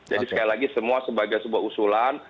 jadi sekali lagi semua sebagai sebuah usulan